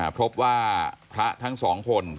พบว่าพระทั้งสองคน